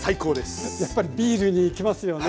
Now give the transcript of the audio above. やっぱりビールにいきますよね。